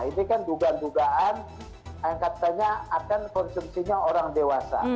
ini kan dugaan dugaan yang katanya akan konsumsinya orang dewasa